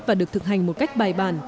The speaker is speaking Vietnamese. và được thực hành một cách bài bàn